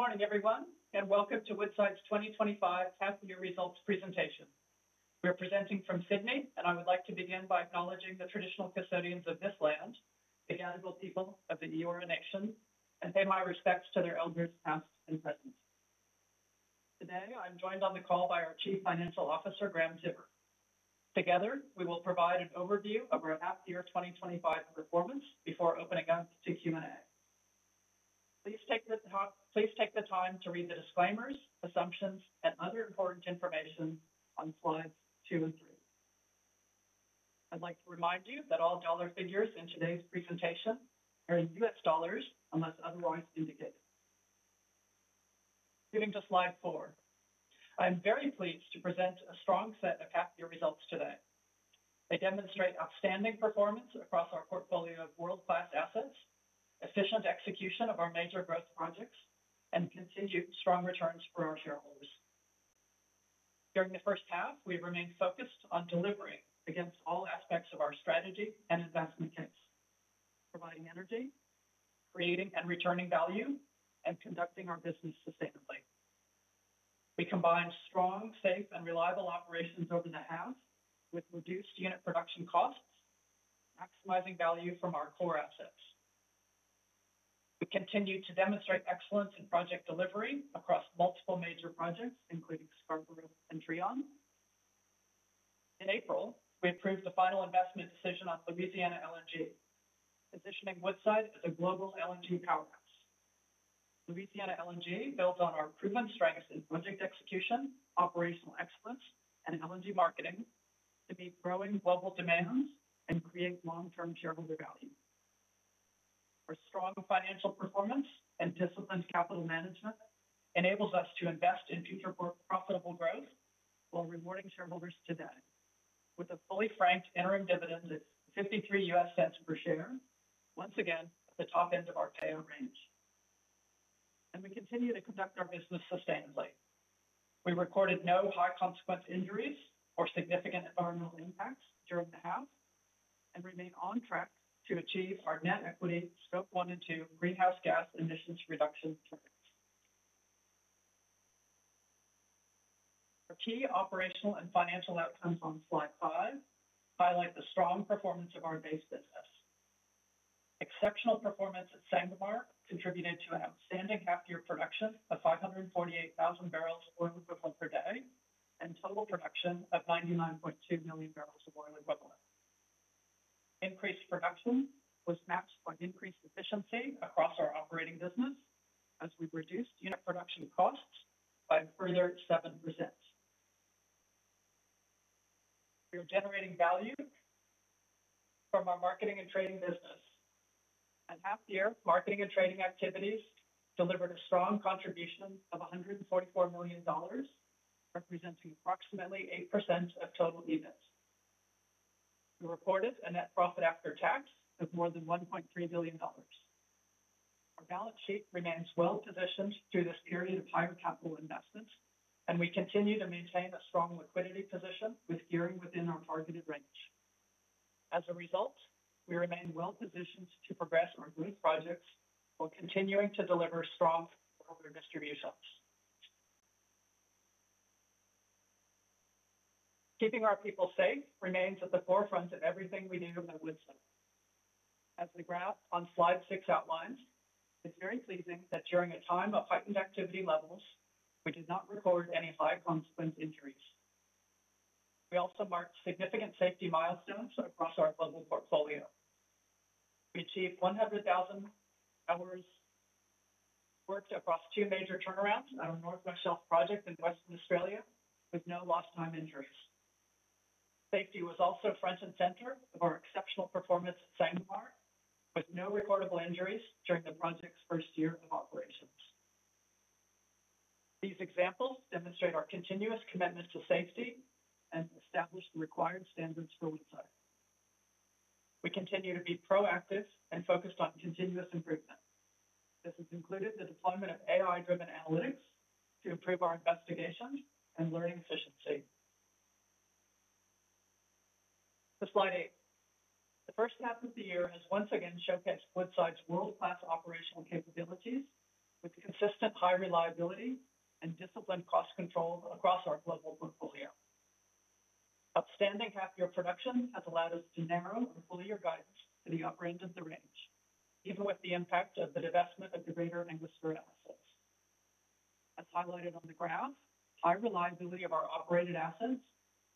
Good morning, everyone, and welcome to Woodside's 2025 Half Year Results presentation. We're presenting from Sydney, and I would like to begin by acknowledging the traditional custodians of this land, the Gadigal people of the Eora Nation, and pay my respects to their elders past and present. Today, I'm joined on the call by our Chief Financial Officer, Graham Tiver. Together, we will provide an overview of our Half Year 2025 performance before opening up to Q&A. Please take the time to read the disclaimers, assumptions, and other important information on slides two and three. I'd like to remind you that all dollar figures in today's presentation are in U.S. dollars unless otherwise indicated. Moving to slide four, I'm very pleased to present a strong set of half-year results today. They demonstrate outstanding performance across our portfolio of world-class assets, efficient execution of our major growth projects, and continued strong returns for our shareholders. During the first half, we remained focused on delivery against all aspects of our strategy and investment case, providing energy, creating and returning value, and conducting our business sustainably. We combined strong, safe, and reliable operations over the half with reduced unit production costs, maximizing value from our core assets. We continue to demonstrate excellence in project delivery across multiple major projects, including Scarborough and Trion. In April, we approved the final investment decision on Louisiana positioning Woodside as a global LNG powerhouse. Louisiana LNG builds on our proven strengths in project execution, operational excellence, and LNG marketing to meet growing global demands and create long-term shareholder value. Our strong financial performance and disciplined capital management enable us to invest in future profitable growth while rewarding shareholders today, with a fully franked interim dividend of $0.53 per share, once again at the top end of our payout range. We continue to conduct our business sustainably. We recorded no high-consequence injuries or significant environmental impacts during the half and remain on track to achieve our net equity Scope 1 and 2 greenhouse gas emissions reduction target. Our key operational and financial outcomes on slide five highlight the strong performance of our base business. Exceptional performance at Sangomar contributed to an outstanding half-year production of 548,000 bbls of oil equivalent per day and a total production of 99.2 million bbls of oil equivalent. Increased production was matched by increased efficiency across our operating business as we reduced unit production costs by a further 7%. We are generating value from our marketing and trading business. Half-year marketing and trading activities delivered a strong contribution of $144 million, representing approximately 8% of total EBIT. We recorded a net profit after tax of more than $1.3 billion. The balance sheet remains well-positioned through this period of higher capital investment, and we continue to maintain a strong liquidity position with gearing within our targeted range. As a result, we remain well-positioned to progress our new projects while continuing to deliver strong customer distributions. Keeping our people safe remains at the forefront of everything we do at Woodside. As the graph on slide six outlines, it's very pleasing that during a time of heightened activity levels, we did not record any high-consequence injuries. We also marked significant safety milestones across our global portfolio. We achieved 100,000 hours worked across two major turnarounds at our North West Shelf project in Western Australia with no lost time injuries. Safety was also front and center of our exceptional performance at Sangomar, with no recordable injuries during the project's first year of operations. These examples demonstrate our continuous commitment to safety and establish the required standards for Woodside. We continue to be proactive and focused on continuous improvement. This has included the deployment of AI-driven analytics to improve our investigations and learning efficiency. To slide eight, the first half of the year has once again showcased Woodside's world-class operational capabilities with consistent high reliability and disciplined cost control across our global portfolio. Outstanding half-year production has allowed us to narrow and fully guide us to the upper end of the range, even with the impact of the divestment of the Greater Enfield assets. As highlighted on the graph, high reliability of our operated assets,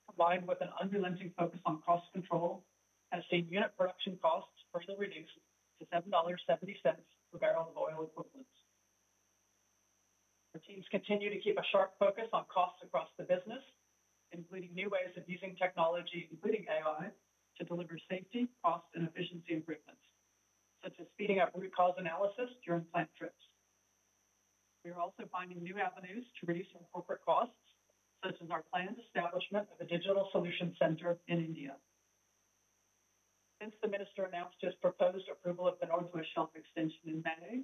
combined with an unrelenting focus on cost control, has seen unit production costs also reduce to $7.70 per barrel of oil equivalent. Our teams continue to keep a sharp focus on costs across the business, including new ways of using technology, including AI, to deliver safety, cost, and efficiency improvements, such as speeding up root cause analysis during plant trips. We are also finding new avenues to reduce our corporate costs, such as our planned establishment of a digital solution center in India. Since the Minister announced his proposed approval of the Northwest Shelf extension in May,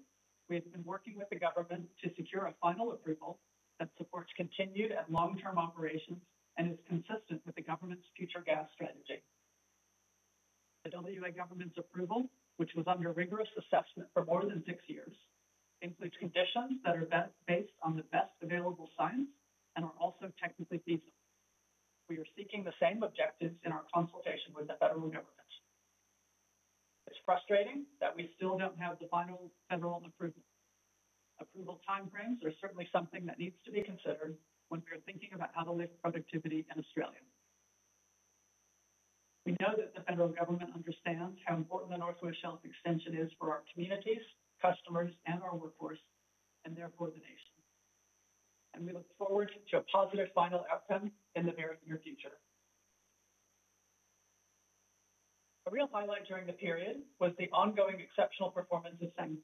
we have been working with the government to secure a final approval that supports continued and long-term operations and is consistent with the government's future gas strategy. The WA government's approval, which was under rigorous assessment for more than six years, includes conditions that are based on the best available science and are also technically feasible. We are seeking the same objectives in our consultation with the federal government. It's frustrating that we still don't have the final federal approval. Approval timeframes are certainly something that needs to be considered when we are thinking about how to lift productivity in Australia. We know that the federal government understands how important the Northwest Shelf extension is for our communities, customers, and our workforce, and therefore the nation. We look forward to a positive final outcome in the very near future. A real highlight during the period was the ongoing exceptional performance of Sangomar.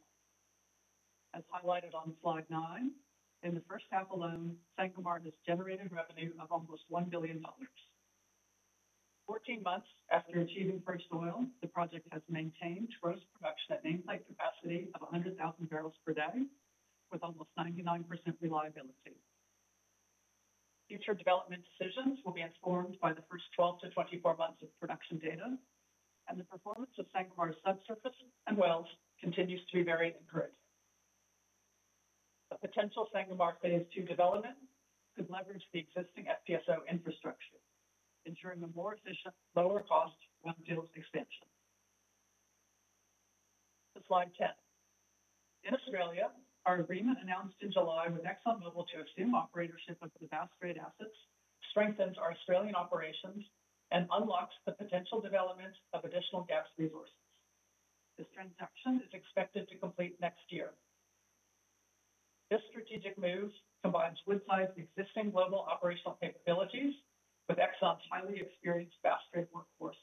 As highlighted on slide nine, in the first half alone, Sangomar has generated revenue of almost $1 billion. Fourteen months after achieving first oil, the project has maintained gross production at main pipe capacity of 100,000 bbls per day with almost 99% reliability. Future development decisions will be informed by the first 12-24 months of production data, and the performance of Sangomar's subsurface and wells continues to be very improved. A potential Sangomar Phase II development could leverage the existing FPSO infrastructure, ensuring a more efficient, lower cost, one-field expansion. To slide te10n, in Australia, our agreement announced in July with ExxonMobil to assume operatorship of the Bass Strait assets strengthens our Australian operations and unlocks the potential development of additional gas resources. This transaction is expected to complete next year. This strategic move combines Woodside's existing global operational capabilities with Exxon's highly experienced Bass Strait-grade workforce,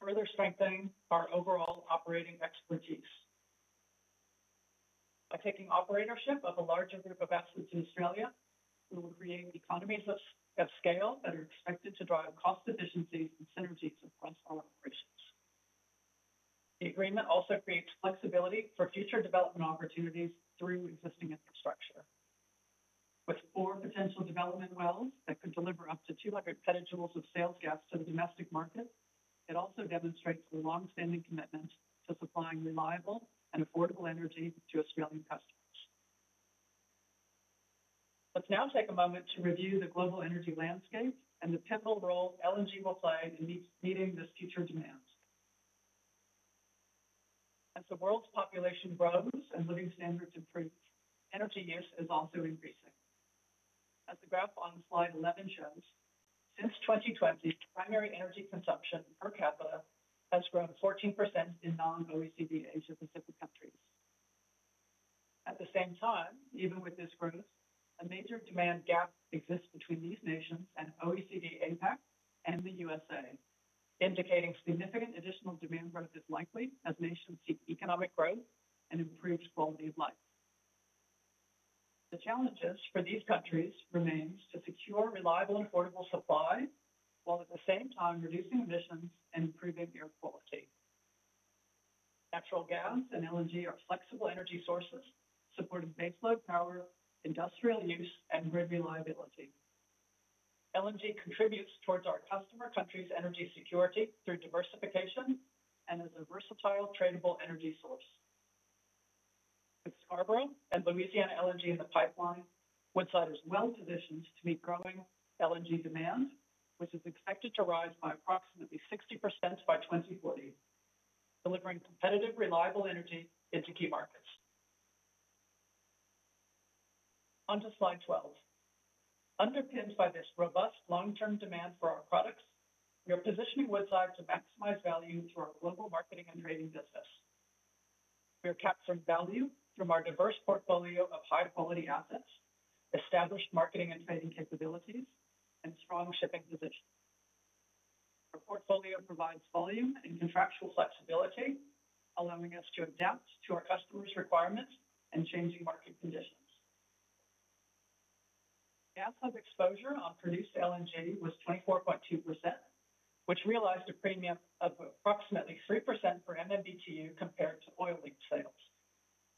further strengthening our overall operating expertise. By taking operatorship of a larger group of assets in Australia, we will create economies of scale that are expected to drive cost efficiency and synergies across our operations. The agreement also creates flexibility for future development opportunities through existing infrastructure. With four potential development wells that could deliver up to 200 petajoules of sales gas to the domestic market, it also demonstrates the longstanding commitment to supplying reliable and affordable energy to Australian customers. Let's now take a moment to review the global energy landscape and the pivotal role LNG will play in meeting this future demand. As the world's population grows and living standards increase, energy use is also increasing. As the graph on slide 11 shows, since 2020, primary energy consumption per capita has grown 14% in non-OECD Asia-Pacific countries. At the same time, even with this growth, a major demand gap exists between these nations and OECD APAC and the U.S.A., indicating significant additional demand growth is likely as nations seek economic growth and improved quality of life. The challenges for these countries remain to secure reliable and affordable supply, while at the same time reducing emissions and improving air quality. Natural gas and LNG are flexible energy sources supporting baseload power, industrial use, and grid reliability. LNG contributes towards our customer countries' energy security through diversification and a diversified tradable energy source. With Scarborough and Louisiana LNG in the pipeline, Woodside is well-positioned to meet growing LNG demand, which is expected to rise by approximately 60% by 2040, delivering competitive, reliable energy into key markets. On to slide 12. Underpinned by this robust long-term demand for our products, we are positioning Woodside to maximize value through our global marketing and trading business. We are capturing value from our diverse portfolio of high-quality assets, established marketing and trading capabilities, and strong shipping positions. Our portfolio provides volume and contractual flexibility, allowing us to adapt to our customers' requirements and changing market conditions. Gas hub exposure on produced LNG was 24.2%, which realized a premium of approximately 3% per MMBtu compared to oil-linked sales,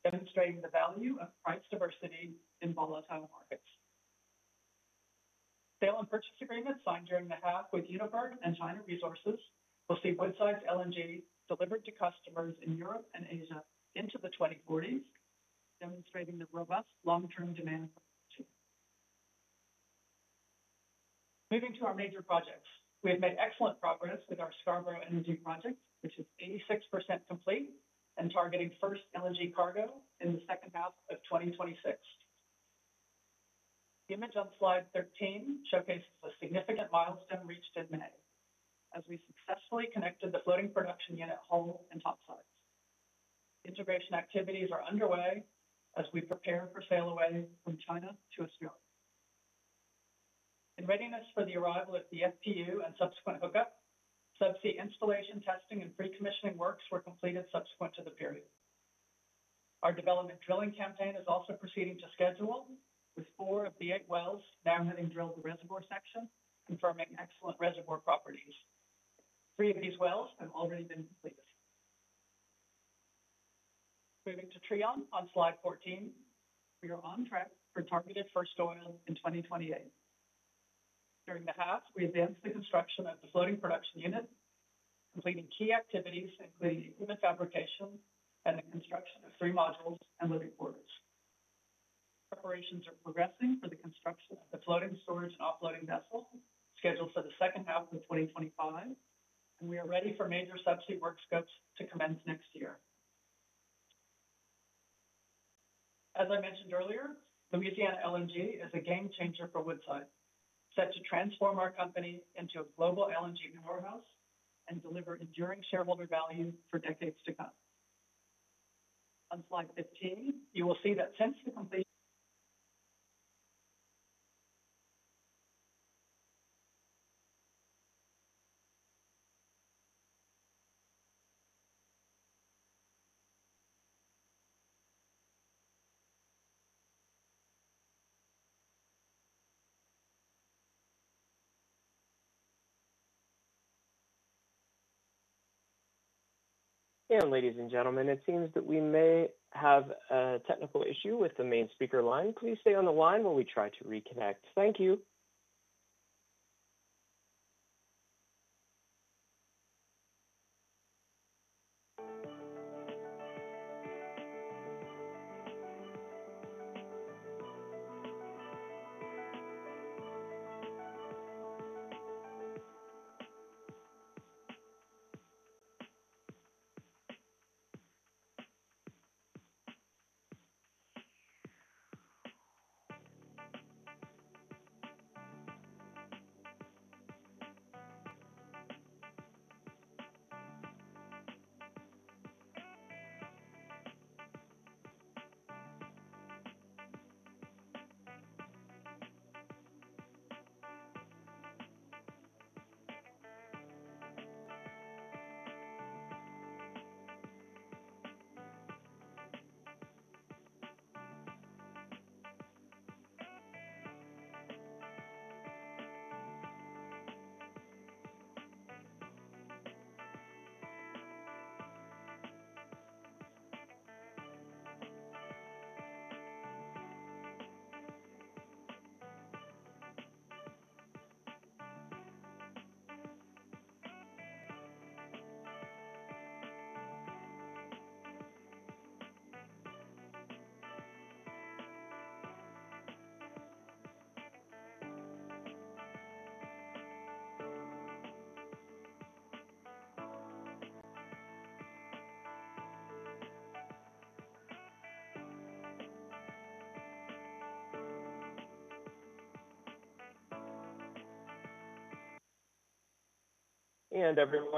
demonstrating the value of price diversity in volatile markets. Sale and purchase agreements signed during the half with Uniper and China Resources will see Woodside's LNG delivered to customers in Europe and Asia into the 2040s, demonstrating the robust long-term demand for productivity. Moving to our major projects, we have made excellent progress with our Scarborough project, which is 86% complete and targeting first LNG cargo in the second half of 2026. Image on slide 13 showcases a significant milestone reached in May, as we successfully connected the floating production unit hull and topsides. Integration activities are underway as we prepare for sail away from China to Australia. In readiness for the arrival at the FPU and subsequent hookup, subsea installation testing and pre-commissioning works were completed subsequent to the period. Our development drilling campaign is also proceeding to schedule, with four of the eight wells now having drilled the reservoir section, confirming excellent reservoir properties. Three of these wells have already been completed. Moving to Trion on slide 14, we are on track for targeted first oil in 2028. During the half, we advanced the construction of the floating production unit, completing key activities including unit fabrication and the construction of three modules and living quarters. Operations are progressing for the construction of the floating storage and offloading vessel scheduled for the second half of 2025, and we are ready for major subsea work scopes to commence next year. As I mentioned earlier, Louisiana LNG is a game changer for Woodside, set to transform our company into a global LNG powerhouse and deliver enduring shareholder value for decades to come. On slide 15, you will see that since the complete... Ladies and gentlemen, it seems that we may have a technical issue with the main speaker line. Please stay on the line while we try to reconnect. Thank you.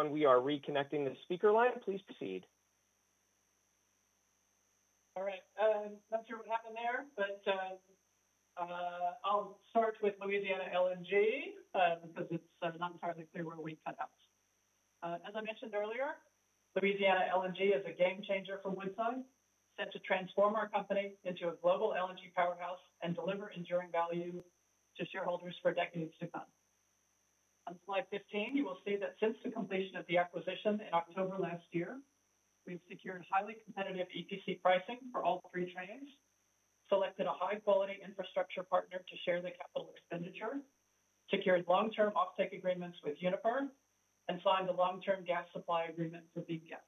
We are reconnecting the speaker line. Please proceed. All right. I'm not sure what happened there, but I'll start with Louisiana LNG because it's not entirely clear where we cut out. As I mentioned earlier, Louisiana LNG is a game changer for Woodside set to transform our company into a global LNG powerhouse and deliver enduring value to shareholders for decades to come. On slide 15, you will see that since the completion of the acquisition in October last year, we've secured highly competitive EPC pricing for all three trains, selected a high-quality infrastructure partner to share the capital expenditure, secured long-term offtake agreements with Uniper, and signed a long-term gas supply agreement for Deep Gas.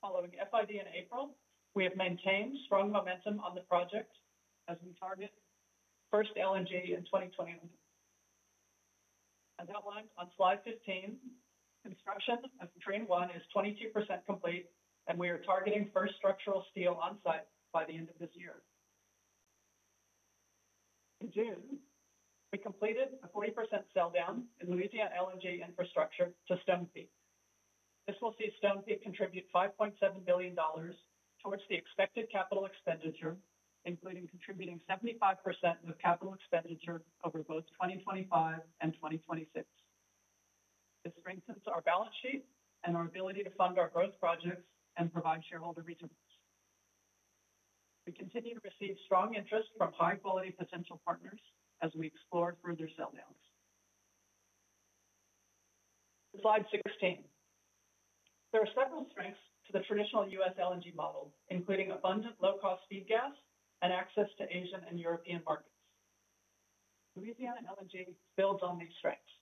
Following FID in April, we have maintained strong momentum on the project as we target first LNG in 2027. As outlined on slide 15, construction of train one is 22% complete, and we are targeting first structural steel on site by the end of this year. In June, we completed a 40% sell down in Louisiana LNG infrastructure to Stonepeak. This will see Stonepeak contribute $5.7 billion, of which the expected capital expenditure includes contributing 75% of the capital expenditure over both 2025 and 2026. This strengthens our balance sheet and our ability to fund our growth projects and provide shareholder resources. We continue to receive strong interest from our high-quality potential partners as we explore further sell downs. To slide 16, there are several strengths to the traditional U.S. LNG model, including abundant low-cost feed gas and access to Asian and European markets. Louisiana LNG builds on these strengths.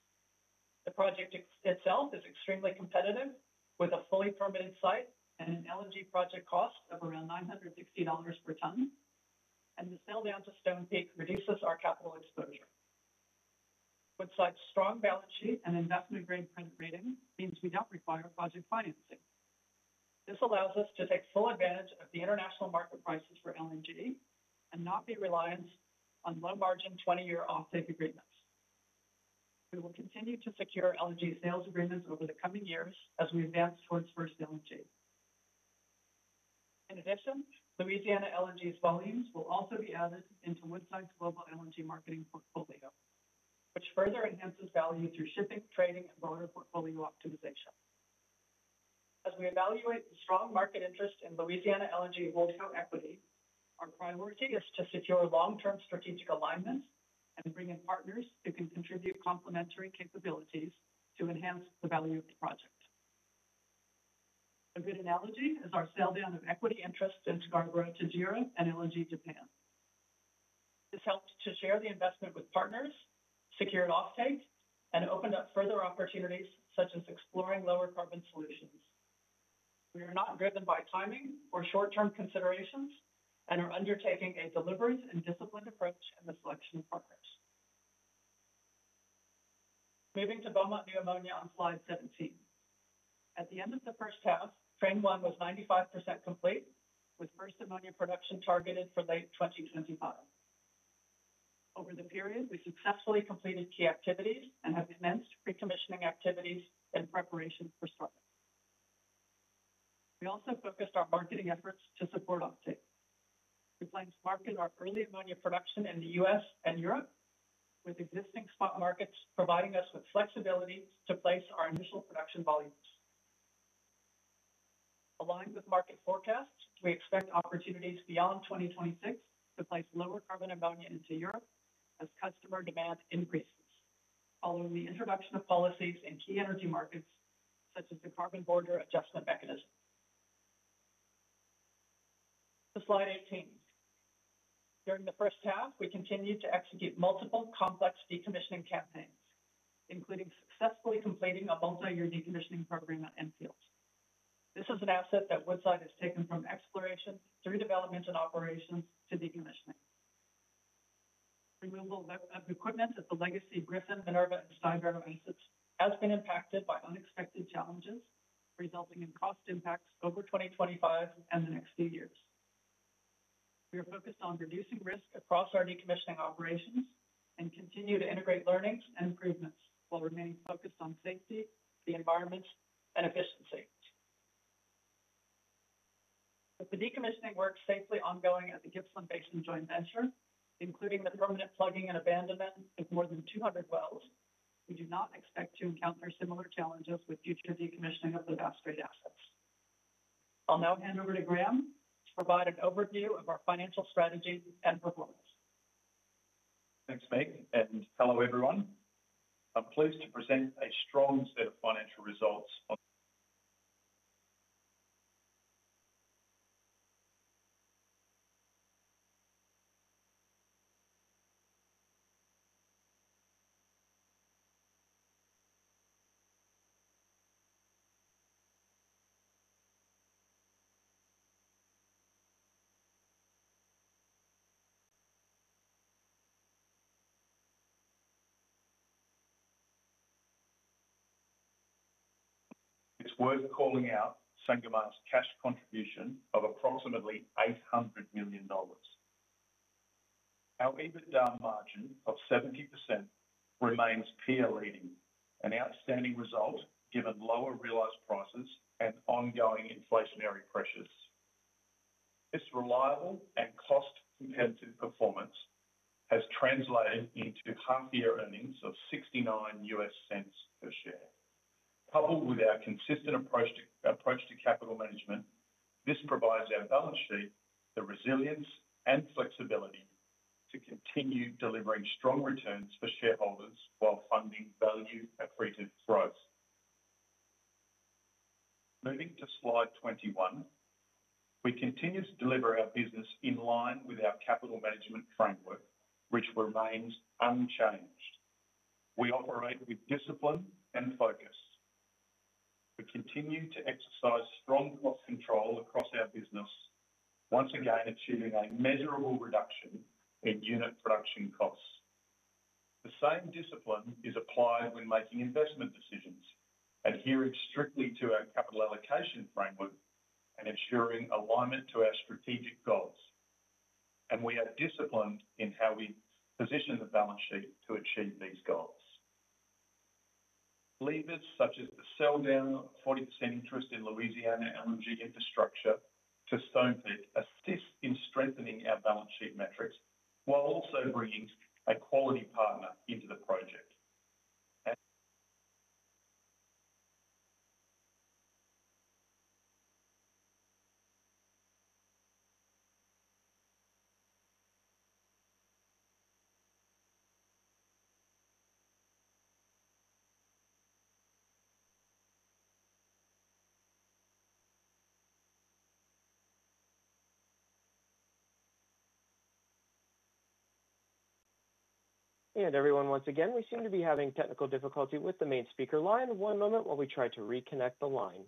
The project itself is extremely competitive, with a fully permitted site and an LNG project cost of around $916 per ton, and the sell down to Stonepeak reduces our Woodside's strong balance sheet and investment grade credit rating means we don't require project financing. This allows us to take full advantage of the international market prices for LNG and not be reliant on low margin 20-year offtake agreements. We will continue to secure LNG sales agreements over the coming years as we advance towards first LNG. In addition, Louisiana LNG's volumes will also be Woodside's global LNG marketing portfolio, which further enhances value through shipping, trading, and wider portfolio optimization. As we evaluate the strong market interest in Louisiana LNG, our priority is to secure long-term strategic alignment and bring in partners who can contribute complementary capabilities to enhance the value of the project. A good analogy is our sell down of equity interest in Trion and LNG Japan. This helps to share the investment with partners, secure offtake, and open up further opportunities such as exploring lower carbon solutions. We are not driven by timing or short-term considerations and are undertaking a deliberate and disciplined approach in the selection of partners. Moving to the Beaumont ammonia project on slide 17. At the end of the first half, train one was 95% complete, with first ammonia production targeted for late 2025. Over the period, we successfully completed key activities and have commenced pre-commissioning activities in preparation for startup. We also focused our marketing efforts to support offtake. We plan to market our early ammonia production in the U.S. and Europe, with existing spot markets providing us with flexibility to place our initial production volumes. Aligned with market forecasts, we expect opportunities beyond 2026 to place lower carbon ammonia into Europe as customer demand increases, following the introduction of policies in key energy markets such as the carbon border adjustment mechanism. To slide 18, during the first half, we continued to execute multiple complex decommissioning campaigns, including successfully completing a multi-year decommissioning program at Enfield. This is an that Woodside has taken from exploration through development and operations to decommissioning. Removal of equipment at the legacy Griffin, Minerva, and Stybarrow basins has been impacted by unexpected challenges, resulting in cost impacts over 2025 and the next few years. We are focused on reducing risk across our decommissioning operations and continue to integrate learnings and improvements while remaining focused on safety, the environment, and efficiency. With the decommissioning work safely ongoing at the Gippsland Basin joint venture, including the permanent plugging and abandonment of more than 200 wells, we do not expect to encounter similar challenges with future decommissioning of the Bass Strait assets. I'll now hand over to Graham to provide an overview of our financial strategy and performance. Thanks, Meg, and hello everyone. I'm pleased to present a strong set of financial results up. It's worth calling out Sangomar's cash contribution of approximately $800 million. Our EBITDA margin of 70% remains peer-leading, an outstanding result given lower realized prices and ongoing inflationary pressures. This reliable and cost-competitive performance has translated into half-year earnings of $0.69 per share. Coupled with our consistent approach to capital management, this provides our balance sheet the resilience and flexibility to continue delivering strong returns for shareholders while funding value-appreciated growth. Moving to slide 21, we continue to deliver our business in line with our capital management framework, which remains unchanged. We operate with discipline and focus. We continue to exercise strong cost control across our business, once again achieving a measurable reduction in unit production costs. The same discipline is applied when making investment decisions, adhering strictly to our capital allocation framework and ensuring alignment to our strategic goals. We are disciplined in how we position the balance sheet to achieve these goals. Levers such as the sell down of 40% interest in Louisiana LNG infrastructure to Stonepeak assist in strengthening our balance sheet metrics while also bringing a quality partner into the project. Everyone, once again, we seem to be having technical difficulty with the main speaker line. One moment while we try to reconnect the line.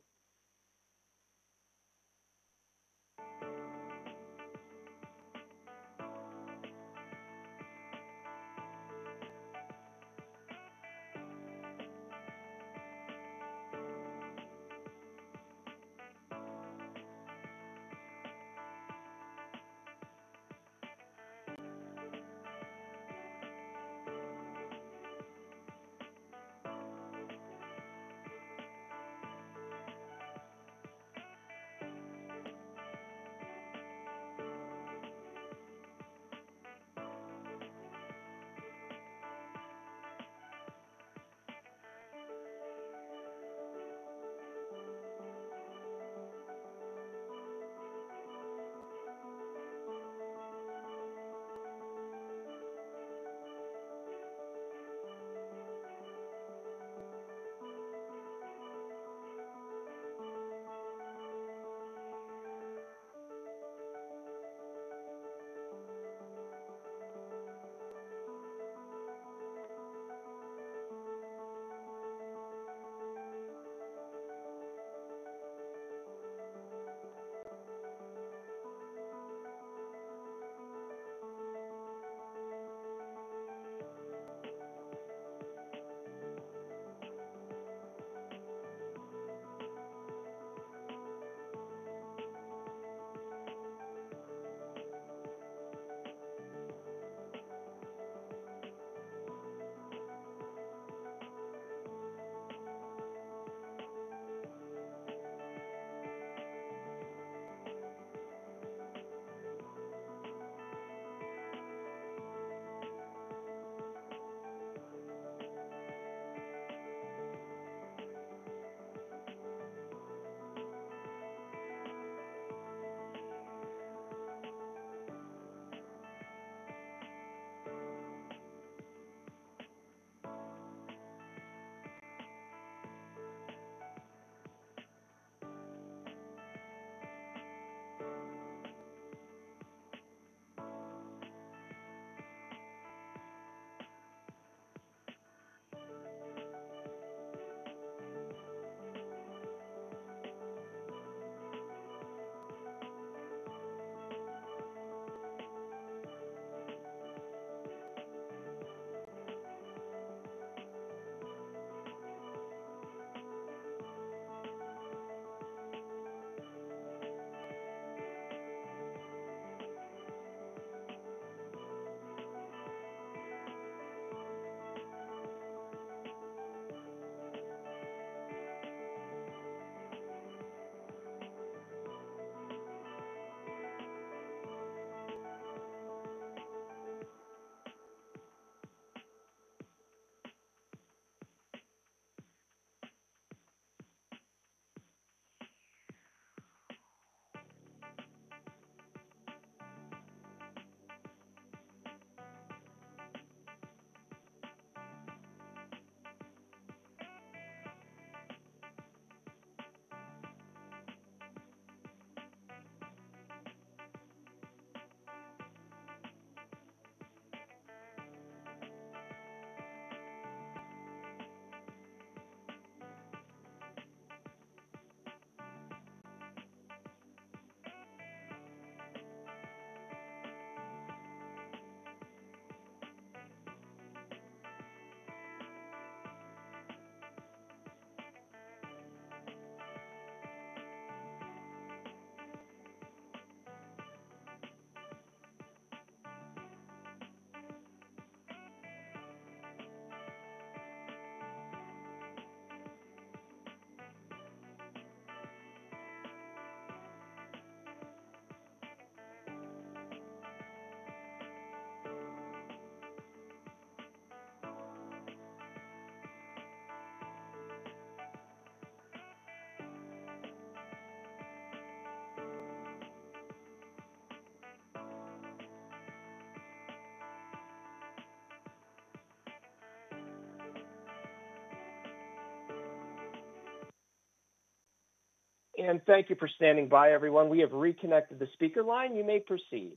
Thank you for standing by, everyone. We have reconnected the speaker line. You may proceed.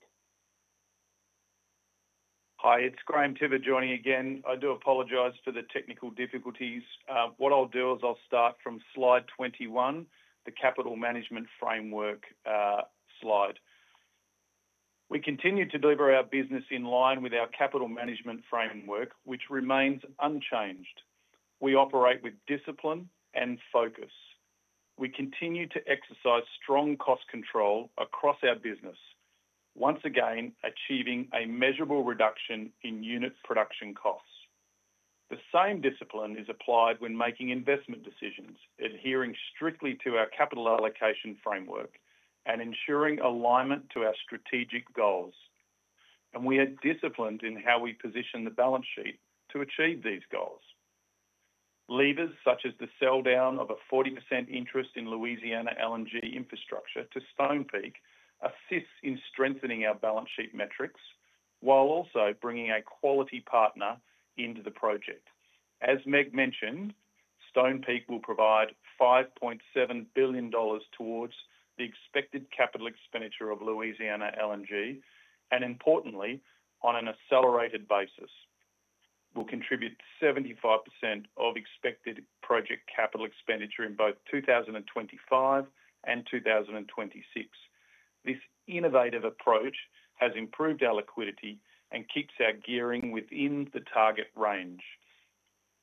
Hi, it's Graham joining again. I do apologize for the technical difficulties. What I'll do is I'll start from slide 21, the capital management framework slide. We continue to deliver our business in line with our capital management framework, which remains unchanged. We operate with discipline and focus. We continue to exercise strong cost control across our business, once again achieving a measurable reduction in unit production costs. The same discipline is applied when making investment decisions, adhering strictly to our capital allocation framework and ensuring alignment to our strategic goals. We are disciplined in how we position the balance sheet to achieve these goals. Levers such as the sell down of a 40% interest in Louisiana LNG infrastructure to Stonepeak assist in strengthening our balance sheet metrics while also bringing a quality partner into the project. As Meg O’Neill mentioned, Stonepeak will provide $5.7 billion towards the expected capital expenditure of Louisiana LNG, and importantly, on an accelerated basis. We will contribute 75% of expected project capital expenditure in both 2025 and 2026. This innovative approach has improved our liquidity and keeps our gearing within the target range.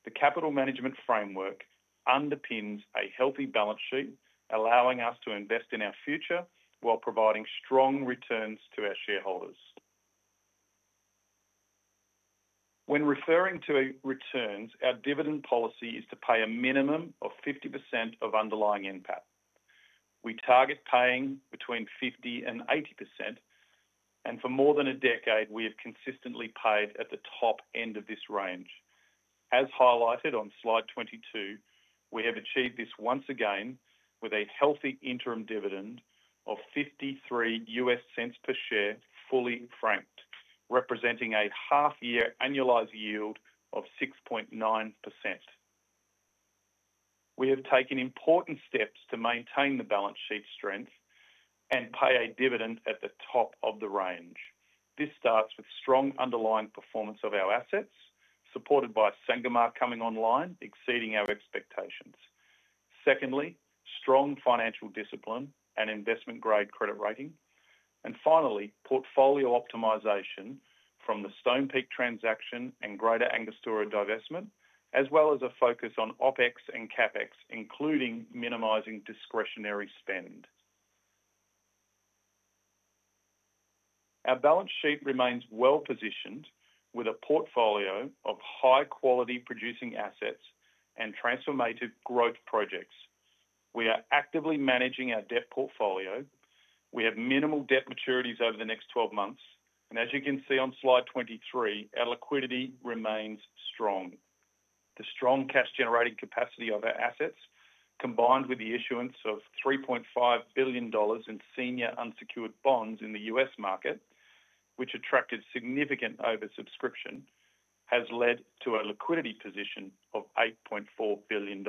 The capital management framework underpins a healthy balance sheet, allowing us to invest in our future while providing strong returns to our shareholders. When referring to returns, our dividend policy is to pay a minimum of 50% of underlying impact. We target paying between 50% and 80%, and for more than a decade, we have consistently paid at the top end of this range. As highlighted on slide 22, we have achieved this once again with a healthy interim dividend of $0.53 per share, fully franked, representing a half-year annualized yield of 6.9%. We have taken important steps to maintain the balance sheet strength and pay a dividend at the top of the range. This starts with strong underlying performance of our assets, supported by Sangomar coming online exceeding our expectations. Secondly, strong financial discipline and investment-grade credit rating. Finally, portfolio optimization from the Stonepeak transaction and Greater Angostura divestment, as well as a focus on OpEx and CapEx, including minimizing discretionary spend. Our balance sheet remains well-positioned with a portfolio of high-quality producing assets and transformative growth projects. We are actively managing our debt portfolio. We have minimal debt maturities over the next 12 months. As you can see on slide 23, our liquidity remains strong. The strong cash-generating capacity of our assets, combined with the issuance of $3.5 billion in senior unsecured bonds in the U.S. market, which attracted significant oversubscription, has led to a liquidity position of $8.4 billion.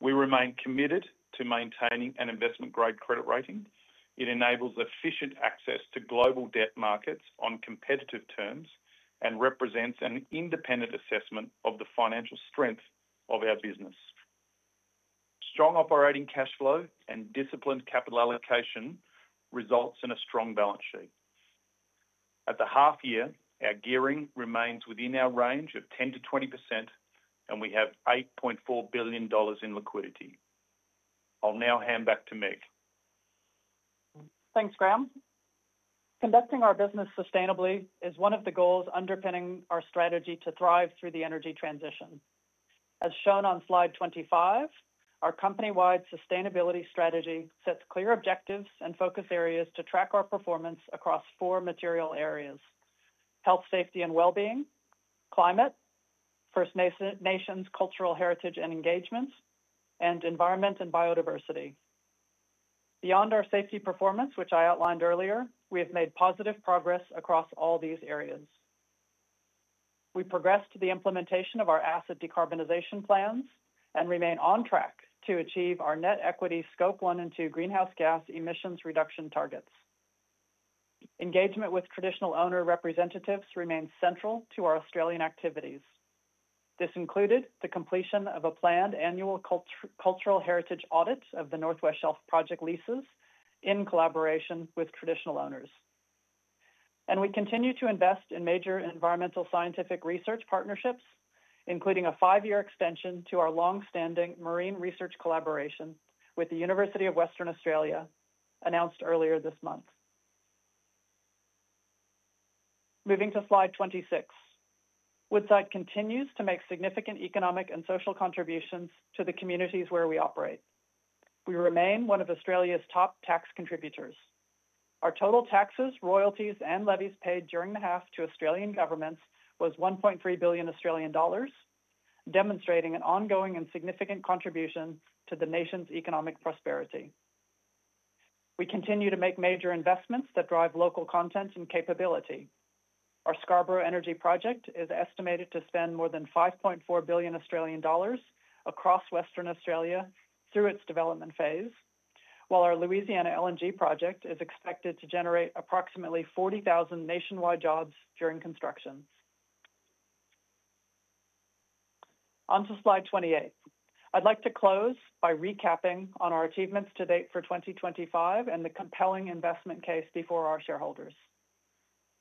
We remain committed to maintaining an investment-grade credit rating. It enables efficient access to global debt markets on competitive terms and represents an independent assessment of the financial strength of our business. Strong operating cash flow and disciplined capital allocation result in a strong balance sheet. At the half-year, our gearing remains within our range of 10%-20%, and we have $8.4 billion in liquidity. I'll now hand back to Meg. Thanks, Graham. Conducting our business sustainably is one of the goals underpinning our strategy to thrive through the energy transition. As shown on slide 25, our company-wide sustainability strategy sets clear objectives and focus areas to track our performance across four material areas: health, safety, and well-being; climate; First Nations cultural heritage and engagements; and environment and biodiversity. Beyond our safety performance, which I outlined earlier, we have made positive progress across all these areas. We progressed to the implementation of our asset decarbonization plans and remain on track to achieve our net equity Scope 1 and 2 greenhouse gas emissions reduction targets. Engagement with traditional owner representatives remains central to our Australian activities. This included the completion of a planned annual cultural heritage audit of the Northwest Shelf project leases in collaboration with traditional owners. We continue to invest in major environmental scientific research partnerships, including a five-year extension to our longstanding marine research collaboration with the University of Western Australia, announced earlier this month. Moving to 26, Woodside continues to make significant economic and social contributions to the communities where we operate. We remain one of Australia's top tax contributors. Our total taxes, royalties, and levies paid during the half to Australian governments was $1.3 billion, demonstrating an ongoing and significant contribution to the nation's economic prosperity. We continue to make major investments that drive local content and capability. Our Scarborough project is estimated to spend more than $5.4 billion across Western Australia through its development phase, while our Louisiana LNG project is expected to generate approximately 40,000 nationwide jobs during construction. On to slide 28, I'd like to close by recapping on our achievements to date for 2025 and the compelling investment case before our shareholders.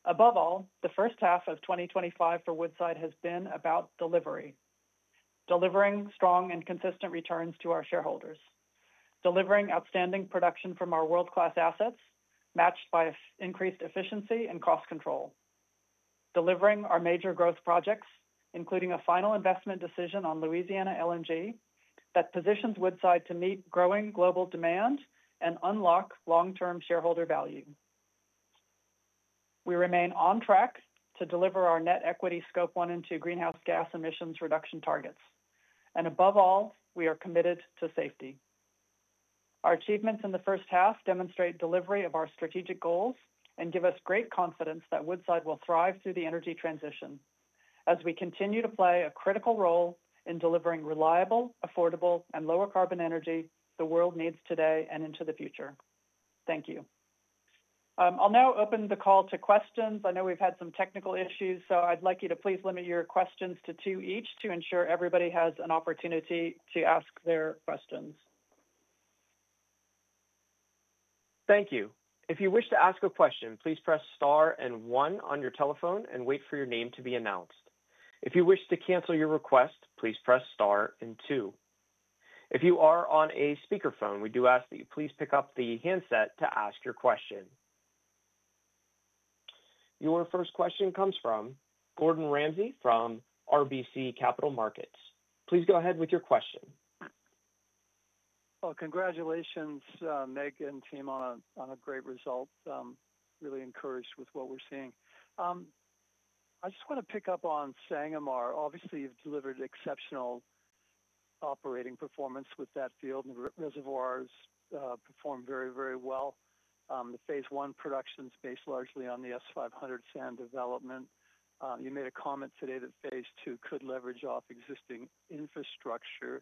Above all, the first half of for Woodside has been about delivery, delivering strong and consistent returns to our shareholders, delivering outstanding production from our world-class assets, matched by increased efficiency and cost control, delivering our major growth projects, including a Final Investment Decision on Louisiana LNG positions Woodside to meet growing global demand and unlock long-term shareholder value. We remain on track to deliver our net equity Scope 1 and 2 greenhouse gas emissions reduction targets. Above all, we are committed to safety. Our achievements in the first half demonstrate delivery of our strategic goals and give us great that Woodside will thrive through the energy transition as we continue to play a critical role in delivering reliable, affordable, and lower carbon energy the world needs today and into the future. Thank you. I'll now open the call to questions. I know we've had some technical issues, so I'd like you to please limit your questions to two each to ensure everybody has an opportunity to ask their questions. Thank you. If you wish to ask a question, please press Star and one on your telephone and wait for your name to be announced. If you wish to cancel your request, please press Star and two. If you are on a speaker phone, we do ask that you please pick up the handset to ask your question. Your first question comes from Gordon Ramsay from RBC. Please go ahead with your question. Congratulations, Meg and team, on a great result. I'm really encouraged with what we're seeing. I just want to pick up on Sangomar. Obviously, you've delivered exceptional operating performance with that field, and the reservoirs perform very, very well. The Phase I production is based largely on the S500 sand development. You made a comment today that Phase II could leverage off existing infrastructure.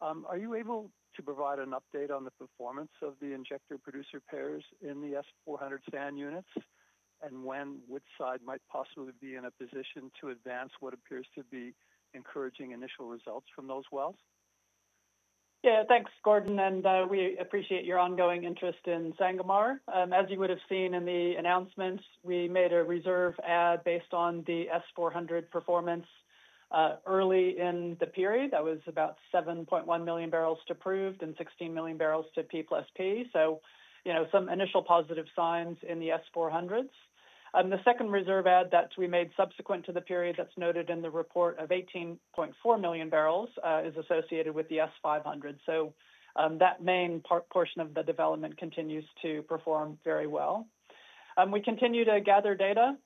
Are you able to provide an update on the performance of the injector producer pairs in the S400 sand units and when Woodside might possibly be in a position to advance what appears to be encouraging initial results from those wells? Yeah, thanks, Gordon, and we appreciate your ongoing interest in Sangomar. As you would have seen in the announcements, we made a reserve add based on the S400 performance early in the period. That was about 7.1 million bbls to approved and 16 million bbls to P plus P. Some initial positive signs in the S400s. The second reserve add that we made subsequent to the period that's noted in the report of 18.4 million bbls is associated with the S500s. That main portion of the development continues to perform very well. We continue to gather data.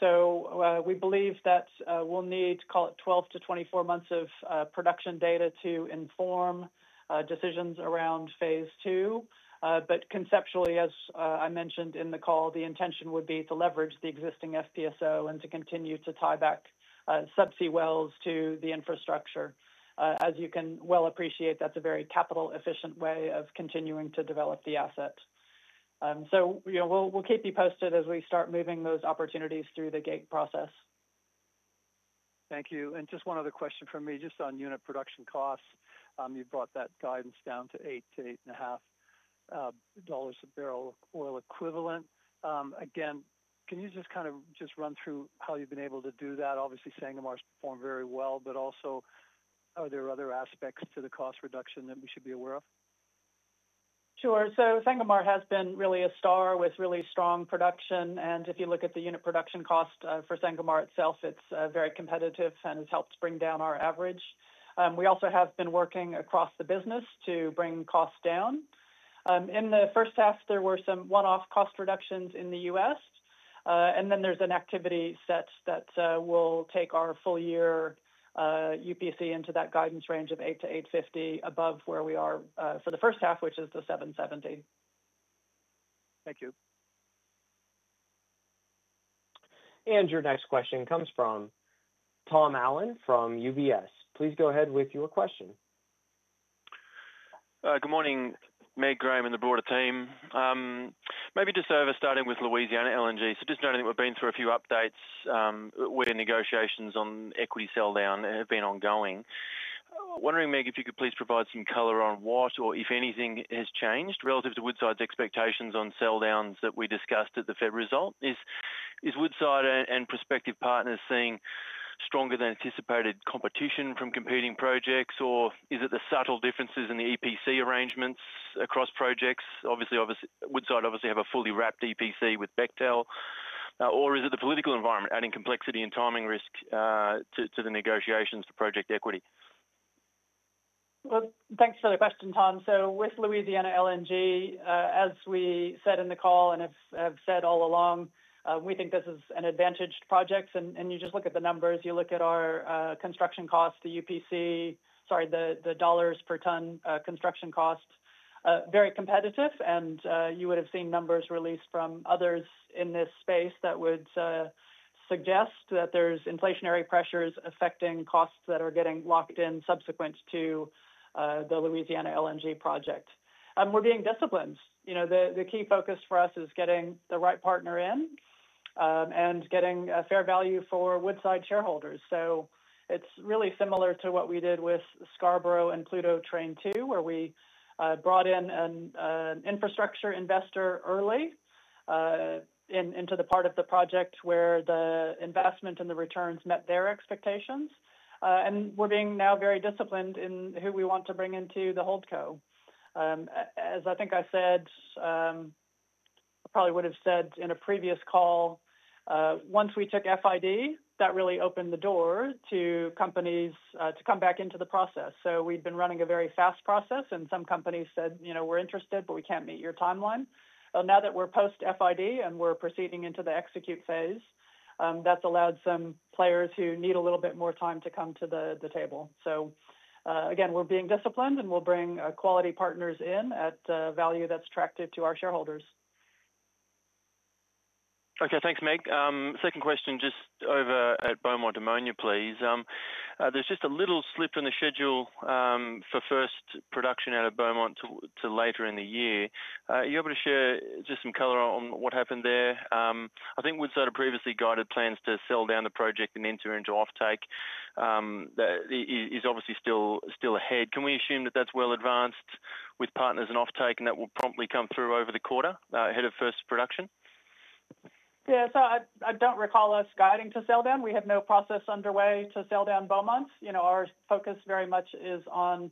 We believe that we'll need to call it 12-24 months of production data to inform decisions around Phase II. Conceptually, as I mentioned in the call, the intention would be to leverage the existing FPSO and to continue to tie back subsea wells to the infrastructure. As you can well appreciate, that's a very capital-efficient way of continuing to develop the asset. We'll keep you posted as we start moving those opportunities through the gate process. Thank you. Just one other question from me, just on unit production costs. You brought that guidance down to $8-$8.5 a barrel of oil equivalent. Can you just kind of run through how you've been able to do that? Obviously, Sangomar's performed very well, but also are there other aspects to the cost reduction that we should be aware of? Sure. Sangomar has been really a star with really strong production. If you look at the unit production cost for Sangomar itself, it's very competitive and has helped bring down our average. We also have been working across the business to bring costs down. In the first half, there were some one-off cost reductions in the U.S. There's an activity set that will take our full-year UPC into that guidance range of $8-$8.50 above where we are for the first half, which is the $7.70. Thank you. Your next question comes from Tom Allen from UBS. Please go ahead with your question. Good morning, Meg, Graham, and the broader team. Maybe just starting with Louisiana LNG. Just knowing that we've been through a few updates with negotiations on equity sell down have been ongoing. Wondering, Meg, if you could please provide some color on what, or if anything, has changed relative to Woodside's expectations on sell downs that we discussed at the Fed result. Is Woodside and prospective partners seeing stronger than anticipated competition from competing projects, or is it the subtle differences in the EPC arrangements across projects? Obviously, Woodside have a fully wrapped EPC with Bechtel, or is it the political environment adding complexity and timing risk to the negotiations for project equity? Thanks for the question, Tom. With Louisiana LNG, as we said in the call and have said all along, we think this is an advantage to projects. You just look at the numbers, you look at our construction cost, the UPC, sorry, the dollars per ton construction cost, very competitive. You would have seen numbers released from others in this space that would suggest that there's inflationary pressures affecting costs that are getting locked in subsequent to the Louisiana LNG project. We're being disciplined. The key focus for us is getting the right partner in and getting a fair value for Woodside shareholders. It's really similar to what we did with Scarborough and Pluto train two, where we brought in an infrastructure investor early into the part of the project where the investment and the returns met their expectations. We're being now very disciplined in who we want to bring into the hold co. As I think I said, probably would have said in a previous call, once we took FID, that really opened the door to companies to come back into the process. We'd been running a very fast process and some companies said, you know, we're interested, but we can't meet your timeline. Now that we're post-FID and we're proceeding into the execute phase, that's allowed some players who need a little bit more time to come to the table. Again, we're being disciplined and we'll bring quality partners in at value that's attractive to our shareholders. Okay, thanks, Meg. Second question, just over at Beaumont ammonia, please. There's just a little slip in the schedule for first production out of Beaumont to later in the year. Are you able to share just some color on what happened there? I think Woodside had previously guided plans to sell down the project and enter into offtake. That is obviously still ahead. Can we assume that that's well advanced with partners and offtake and that will promptly come through over the quarter ahead of first production? Yeah, I don't recall us guiding to sell down. We have no process underway to sell down Beaumont. Our focus very much is on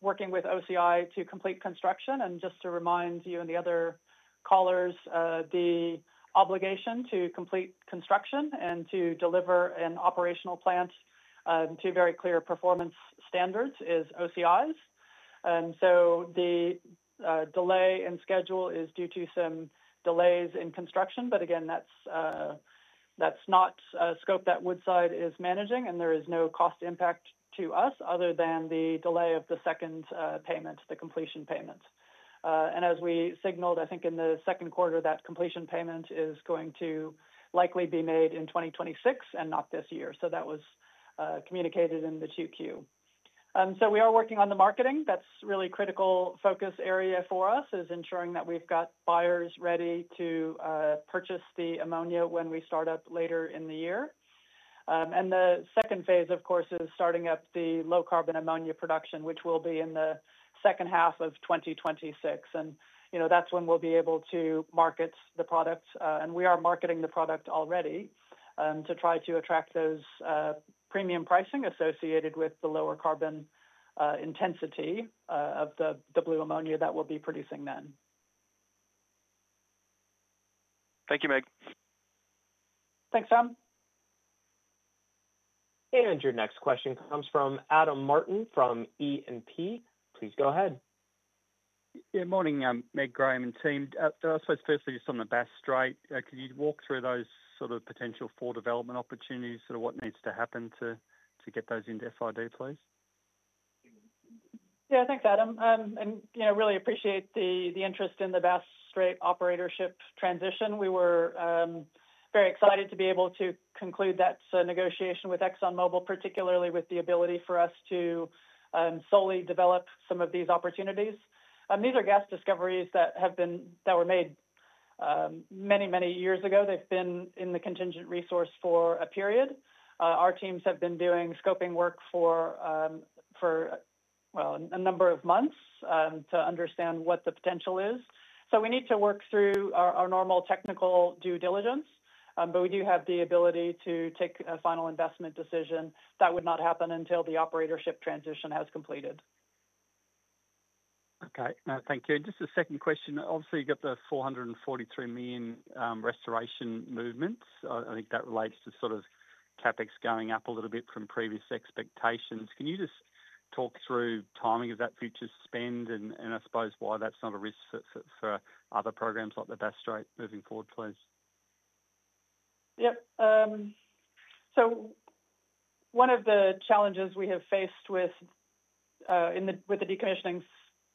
working with OCI to complete construction. Just to remind you and the other callers, the obligation to complete construction and to deliver an operational plant to very clear performance standards is OCI's. The delay in schedule is due to some delays in construction, but again, that's not a scope that Woodside is managing, and there is no cost impact to us other than the delay of the second payment, the completion payment. As we signaled, I think in the second quarter, that completion payment is likely going to be made in 2026 and not this year. That was communicated in the QQ. We are working on the marketing. That's a really critical focus area for us, ensuring that we've got buyers ready to purchase the ammonia when we start up later in the year. The second phase, of course, is starting up the low carbon ammonia production, which will be in the second half of 2026. That's when we'll be able to market the product. We are marketing the product already to try to attract those premium pricing associated with the lower carbon intensity of the blue ammonia that we'll be producing then. Thank you, Meg. Thanks, Tom. Your next question comes from Adam Martin from E&P. Please go ahead. Good morning, Meg, Graham, and team. I suppose firstly, just on the Bass Strait, could you walk through those sort of potential for development opportunities, sort of what needs to happen to get those into FID, please? Yeah, thanks, Adam. I really appreciate the interest in the Bass Strait operatorship transition. We were very excited to be able to conclude that negotiation with ExxonMobil, particularly with the ability for us to solely develop some of these opportunities. These are gas discoveries that were made many, many years ago. They've been in the contingent resource for a period. Our teams have been doing scoping work for a number of months to understand what the potential is. We need to work through our normal technical due diligence, but we do have the ability to take a final investment decision. That would not happen until the operatorship transition has completed. Okay, thank you. Just a second question. Obviously, you've got the $443 million restoration movements. I think that relates to sort of CapEx going up a little bit from previous expectations. Can you just talk through timing of that future spend and I suppose why that's not a risk for other programs like the Bass Strait moving forward, please? Yep. One of the challenges we have faced with the decommissioning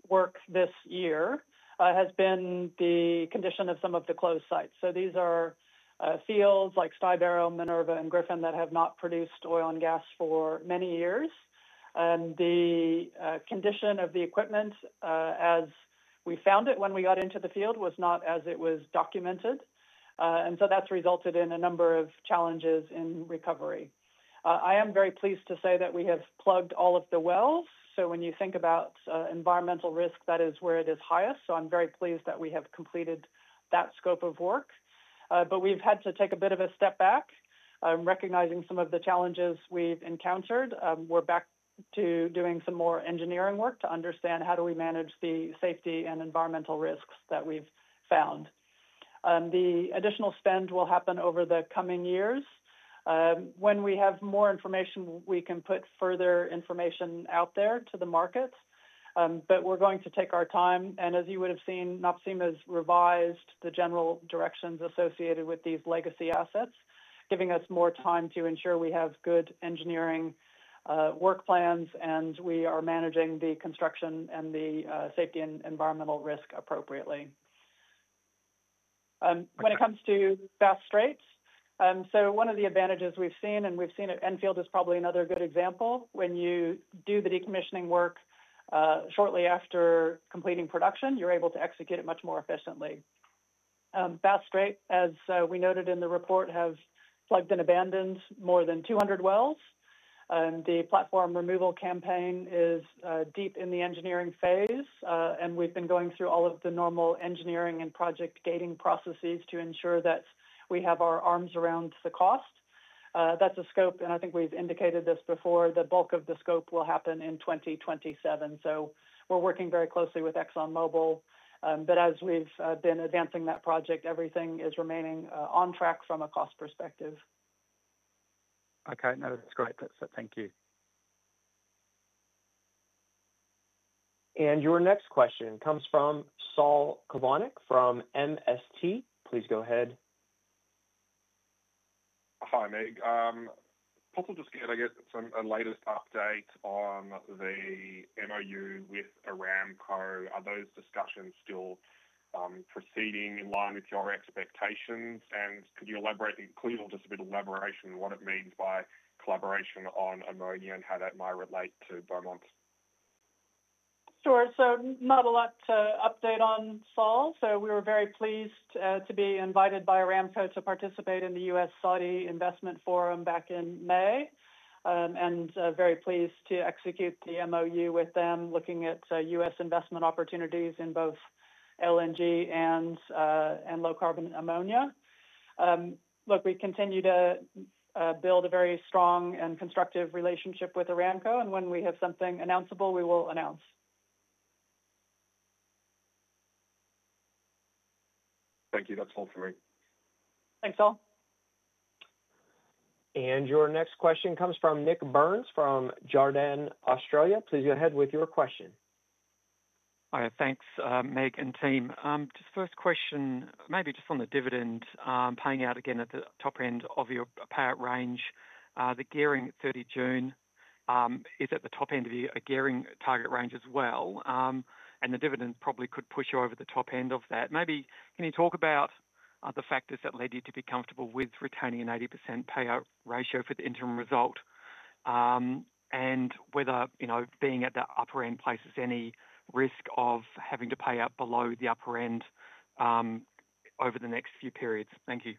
work this year has been the condition of some of the closed sites. These are fields like Sky Barrow, Minerva, and Griffin that have not produced oil and gas for many years. The condition of the equipment, as we found it when we got into the field, was not as it was documented. That has resulted in a number of challenges in recovery. I am very pleased to say that we have plugged all of the wells. When you think about environmental risk, that is where it is highest. I'm very pleased that we have completed that scope of work. We have had to take a bit of a step back, recognizing some of the challenges we've encountered. We're back to doing some more engineering work to understand how we manage the safety and environmental risks that we've found. The additional spend will happen over the coming years. When we have more information, we can put further information out there to the market. We are going to take our time. As you would have seen, NOPSEMA has revised the general directions associated with these legacy assets, giving us more time to ensure we have good engineering work plans and we are managing the construction and the safety and environmental risk appropriately. When it comes to Bass Strait, one of the advantages we've seen, and we've seen at Enfield is probably another good example, when you do the decommissioning work shortly after completing production, you're able to execute it much more efficiently. Bass Strait, as we noted in the report, have plugged and abandoned more than 200 wells. The platform removal campaign is deep in the engineering phase, and we've been going through all of the normal engineering and project gating processes to ensure that we have our arms around the cost. That is a scope, and I think we've indicated this before, the bulk of the scope will happen in 2027. We are working very closely with ExxonMobil, but as we've been advancing that project, everything is remaining on track from a cost perspective. Okay, no, that's great. Thank you. Your next question comes from Saul Kavonic from MST. Please go ahead. Hi, Meg. I thought I'd just get some latest update on the MOU with Aramco. Are those discussions still proceeding in line with your expectations? Could you elaborate, please just a bit of elaboration on what it means by collaboration on ammonia and how that might relate to Beaumont? Sure, not a lot to update on Saul. We were very pleased to be invited by Aramco to participate in the U.S.-Saudi Investment Forum back in May, and very pleased to execute the MOU with them, looking at U.S. investment opportunities in both LNG and low carbon ammonia. We continue to build a very strong and constructive relationship with Aramco, and when we have something announceable, we will announce. Thank you. That's all for me. Thanks, Saul. Your next question comes from Nik Burns from Jarden Australia. Please go ahead with your question. Hi, thanks, Meg and team. First question, maybe just on the dividend paying out again at the top end of your payout range. The gearing at 30 June is at the top end of your gearing target range as well, and the dividend probably could push you over the top end of that. Can you talk about the factors that led you to be comfortable with retaining an 80% payout ratio for the interim result? Whether being at the upper end places any risk of having to pay out below the upper end over the next few periods? Thank you.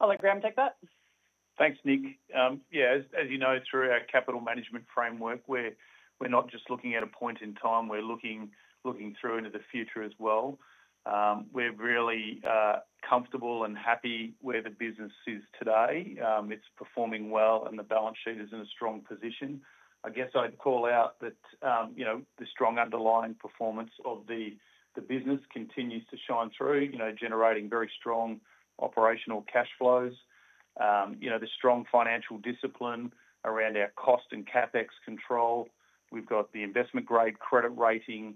I'll let Graham take that. Thanks, Nick. As you know, through our capital management framework, we're not just looking at a point in time. We're looking through into the future as well. We're really comfortable and happy where the business is today. It's performing well, and the balance sheet is in a strong position. I'd call out that the strong underlying performance of the business continues to shine through, generating very strong operational cash flows. The strong financial discipline around our cost and CapEx control. We've got the investment-grade credit rating.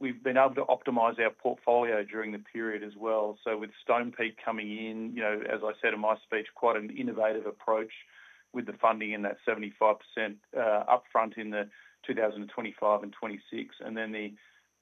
We've been able to optimize our portfolio during the period as well. With Stonepeak coming in, as I said in my speech, quite an innovative approach with the funding in that 75% upfront in 2025 and 2026, and then the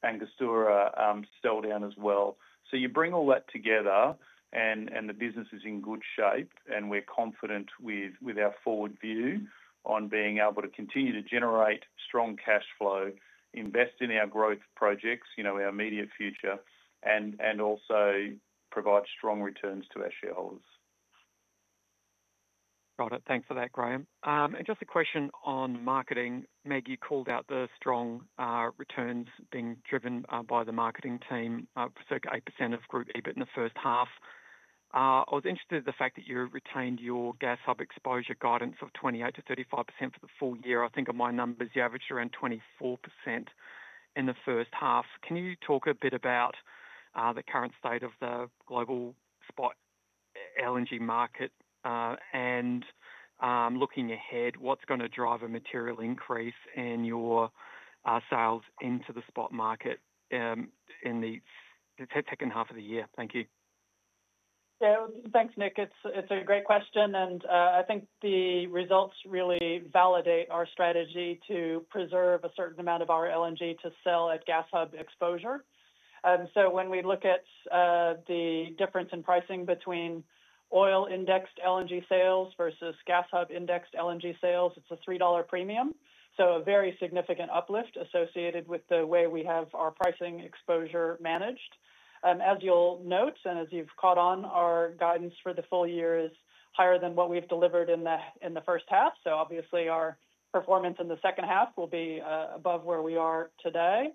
Angostura sell down as well. You bring all that together, and the business is in good shape, and we're confident with our forward view on being able to continue to generate strong cash flow, invest in our growth projects, our immediate future, and also provide strong returns to our shareholders. Got it. Thanks for that, Graham. Just a question on marketing. Meg, you called out the strong returns being driven by the marketing team, circa 8% of group EBIT in the first half. I was interested in the fact that you retained your gas hub exposure guidance of 28%-35% for the full year. I think of my numbers, you averaged around 24% in the first half. Can you talk a bit about the current state of the global spot LNG market and looking ahead, what's going to drive a material increase in your sales into the spot market in the second half of the year? Thank you. Yeah, thanks, Nik. It's a great question, and I think the results really validate our strategy to preserve a certain amount of our LNG to sell at gas hub exposure. When we look at the difference in pricing between oil indexed LNG sales versus gas hub indexed LNG sales, it's a $3 premium. A very significant uplift is associated with the way we have our pricing exposure managed. As you'll note, and as you've caught on, our guidance for the full year is higher than what we've delivered in the first half. Obviously, our performance in the second half will be above where we are today.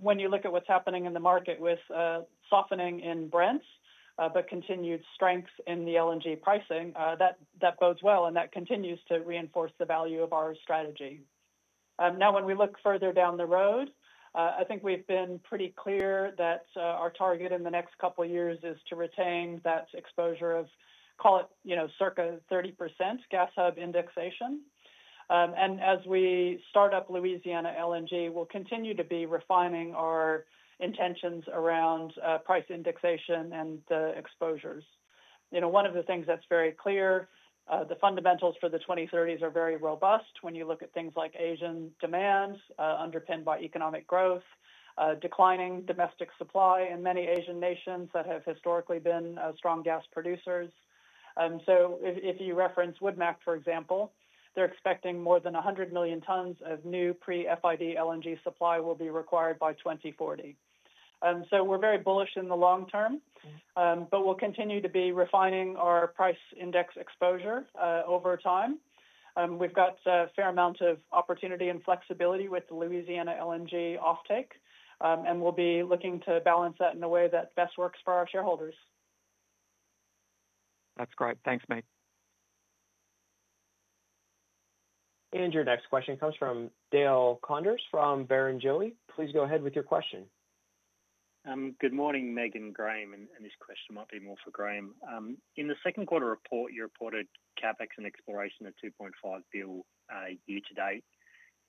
When you look at what's happening in the market with softening in Brents, but continued strength in the LNG pricing, that bodes well, and that continues to reinforce the value of our strategy. When we look further down the road, I think we've been pretty clear that our target in the next couple of years is to retain that exposure of, call it, you know, circa 30% gas hub indexation. As we start up Louisiana LNG, we'll continue to be refining our intentions around price indexation and exposures. One of the things that's very clear, the fundamentals for the 2030s are very robust when you look at things like Asian demand underpinned by economic growth, declining domestic supply in many Asian nations that have historically been strong gas producers. If you reference Woodmap, for example, they're expecting more than 100 million tons of new pre-FID LNG supply will be required by 2040. We're very bullish in the long term, but we'll continue to be refining our price index exposure over time. We've got a fair amount of opportunity and flexibility with the Louisiana LNG offtake, and we'll be looking to balance that in a way that best works for our shareholders. That's great. Thanks, Meg. Your next question comes from Dale Koenders from Barrenjoey. Please go ahead with your question. Good morning, Meg and Graham, and this question might be more for Graham. In the second quarter report, you reported CapEx and exploration at $2.5 billion year to date,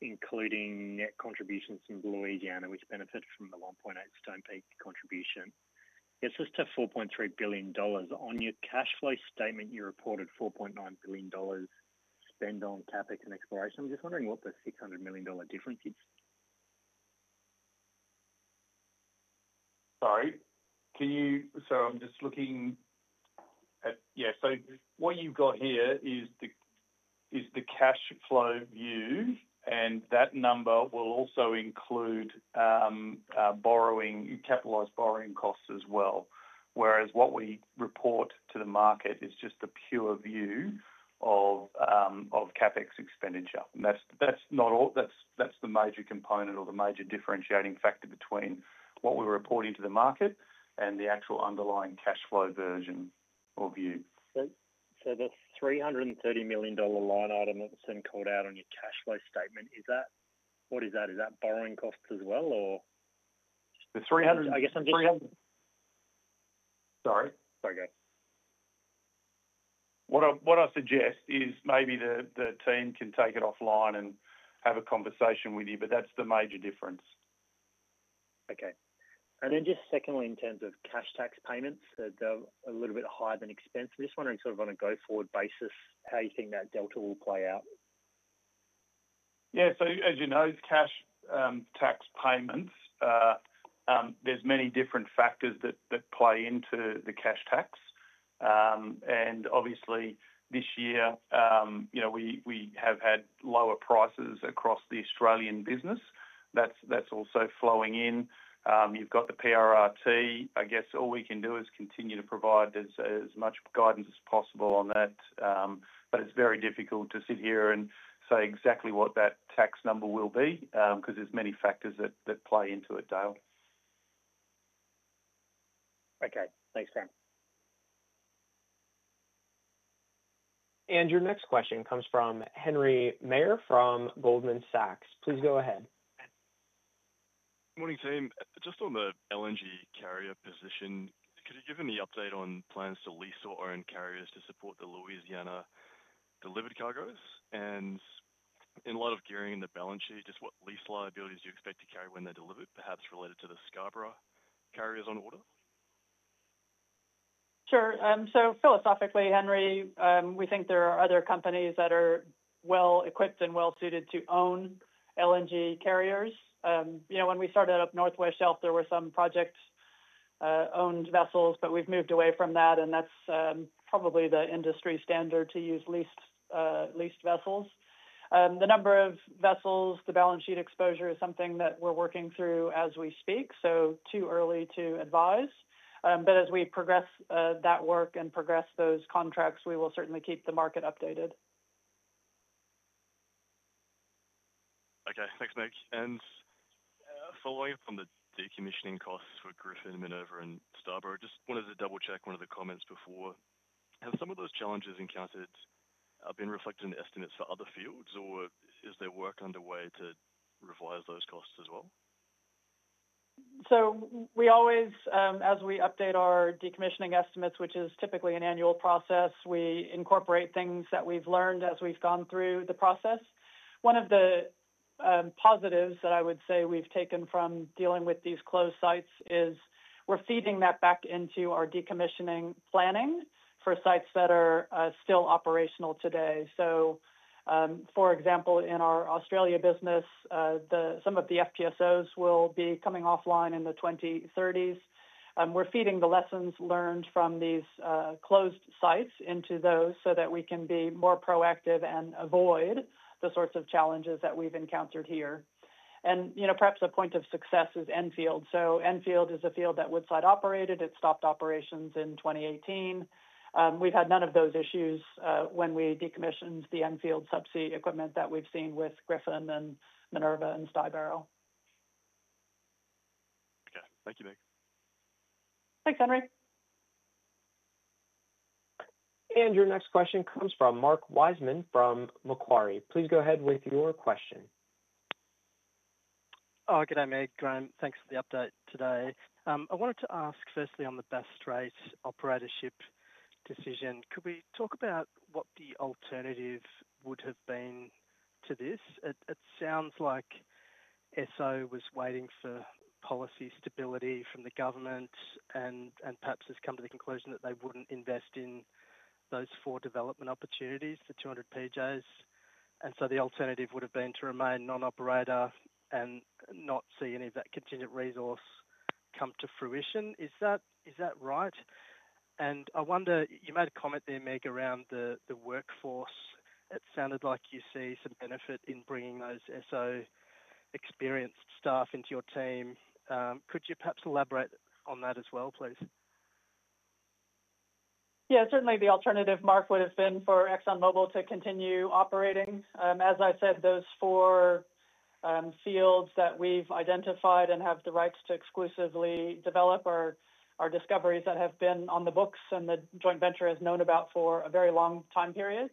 including net contributions from Louisiana, which benefited from the $1.8 billion Stonepeak contribution. It's just at $4.3 billion. On your cash flow statement, you reported $4.9 billion spend on CapEx and exploration. I'm just wondering what the $600 million difference is. Sorry, can you, I'm just looking at, yeah, what you've got here is the cash flow view, and that number will also include capitalized borrowing costs as well. What we report to the market is just the pure view of CapEx expenditure. That's not all, that's the major component or the major differentiating factor between what we're reporting to the market and the actual underlying cash flow version or view. That's $330 million line item that's then called out on your cash flow statement. Is that, what is that? Is that borrowing costs as well, or? The 300. sorry. Okay. What I suggest is maybe the team can take it offline and have a conversation with you, but that's the major difference. Okay. In terms of cash tax payments, they're a little bit higher than expense. I'm just wondering on a go-forward basis how you think that delta will play out. Yeah, as you know, cash tax payments, there's many different factors that play into the cash tax. Obviously, this year, we have had lower prices across the Australian business. That's also flowing in. You've got the PRRT. I guess all we can do is continue to provide as much guidance as possible on that. It's very difficult to sit here and say exactly what that tax number will be because there's many factors that play into it, Dale. Okay, thanks, Graham. Your next question comes from Henry Meyer from Goldman Sachs. Please go ahead. Morning team. Just on the LNG carrier position, could you give any update on plans to lease or own carriers to support the Louisiana LNG delivered cargoes? In light of gearing in the balance sheet, what lease liabilities do you expect to carry when they're delivered, perhaps related to the Scarborough carriers on order? Sure. Philosophically, Henry, we think there are other companies that are well-equipped and well-suited to own LNG carriers. You know, when we started up Northwest Shelf, there were some projects that owned vessels, but we've moved away from that, and that's probably the industry standard to use leased vessels. The number of vessels, the balance sheet exposure is something that we're working through as we speak. It's too early to advise. As we progress that work and progress those contracts, we will certainly keep the market updated. Okay, thanks, Meg. Following up on the decommissioning costs for Griffin, Minerva, and Scarborough, just wanted to double-check one of the comments before. Have some of those challenges encountered been reflected in estimates for other fields, or is there work underway to revise those costs as well? We always, as we update our decommissioning estimates, which is typically an annual process, incorporate things that we've learned as we've gone through the process. One of the positives that I would say we've taken from dealing with these closed sites is we're feeding that back into our decommissioning planning for sites that are still operational today. For example, in our Australia business, some of the FPSOs will be coming offline in the 2030s. We're feeding the lessons learned from these closed sites into those so that we can be more proactive and avoid the sorts of challenges that we've encountered here. Perhaps a point of success is Enfield. Enfield is a field that Woodside operated. It stopped operations in 2018. We've had none of those issues when we decommissioned the Enfield subsea equipment that we've seen with Griffin and Minerva and Scarborough. Okay, thank you, Meg. Thanks, Henry. Your next question comes from Mark Wiseman from Macquarie. Please go ahead with your question. Good day, Meg. Graham, thanks for the update today. I wanted to ask firstly on the Bass Strait operatorship decision. Could we talk about what the alternative would have been to this? It sounds like SO was waiting for policy stability from the government and perhaps has come to the conclusion that they wouldn't invest in those four development opportunities, the 200 PJs. The alternative would have been to remain non-operator and not see any of that contingent resource come to fruition. Is that right? I wonder, you made a comment there, Meg, around the workforce. It sounded like you see some benefit in bringing those SO experienced staff into your team. Could you perhaps elaborate on that as well, please? Yeah, certainly the alternative, Mark, would have been for ExxonMobil to continue operating. As I said, those four fields that we've identified and have the rights to exclusively develop are discoveries that have been on the books and the joint venture has known about for a very long time period.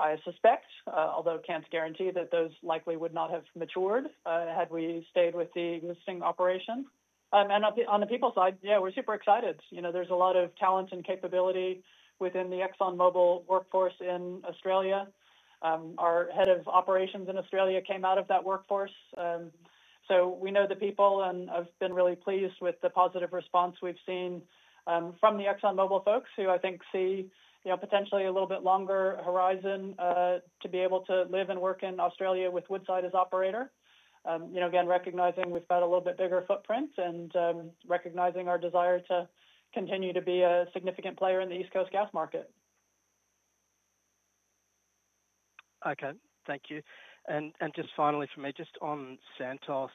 I suspect, although can't guarantee, that those likely would not have matured had we stayed with the existing operation. On the people side, we're super excited. There's a lot of talent and capability within the ExxonMobil workforce in Australia. Our Head of Operations in Australia came out of that workforce. We know the people and have been really pleased with the positive response we've seen from the ExxonMobil folks who I think see potentially a little bit longer horizon to be able to live and work in Australia with Woodside as operator. Again, recognizing we've got a little bit bigger footprint and recognizing our desire to continue to be a significant player in the East Coast gas market. Okay, thank you. Just finally for me, just on Santos,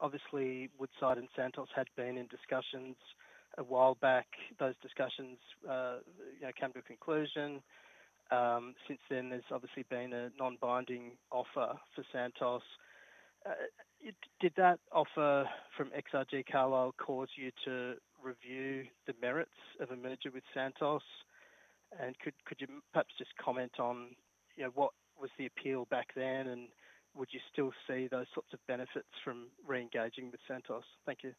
obviously Woodside and Santos had been in discussions a while back. Those discussions came to a conclusion. Since then, there's obviously been a non-binding offer for Santos. Did that offer from XRG Carlisle cause you to review the merits of a merger with Santos? Could you perhaps just comment on what was the appeal back then and would you still see those sorts of benefits from re-engaging with Santos? Thank you.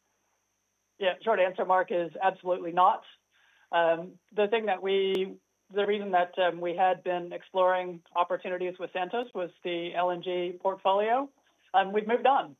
Yeah, short answer, Mark, is absolutely not. The reason that we had been exploring opportunities with Santos was the LNG portfolio. We've moved on.